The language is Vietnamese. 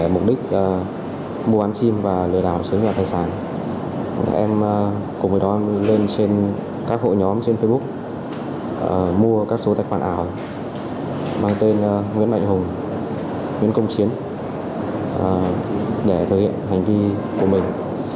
mua tài khoản ảo bằng tên nguyễn mạnh hùng nguyễn công chiến để thể hiện hành vi của mình